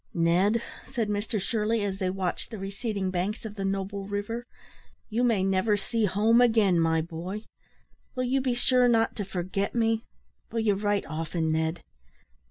"Ned," said Mr Shirley, as they watched the receding banks of the noble river, "you may never see home again, my boy. Will you be sure not to forget me! will you write often, Ned!"